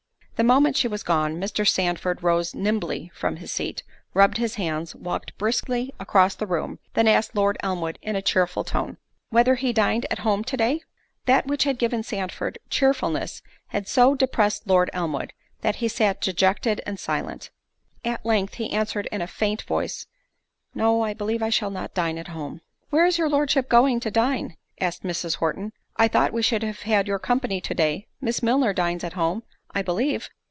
The moment she was gone, Mr. Sandford rose nimbly from his seat, rubbed his hands, walked briskly across the room, then asked Lord Elmwood in a cheerful tone, "Whether he dined at home to day?" That which had given Sandford cheerfulness, had so depressed Lord Elmwood, that he sat dejected and silent. At length he answered in a faint voice, "No, I believe I shall not dine at home." "Where is your Lordship going to dine?" asked Mrs. Horton; "I thought we should have had your company to day; Miss Milner dines at home, I believe."